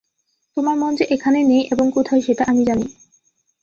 তোমার মন যে এখানে নেই এবং কোথায় সেটা আমি জানি।